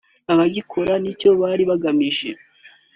abagikoze n'icyo bari bagamije